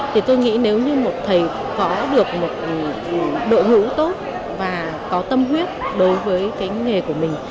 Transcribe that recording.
thì tôi nghĩ nếu như một thầy có được một đội ngũ tốt và có tâm huyết đối với cái nghề của mình